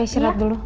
kita jalan dulu ya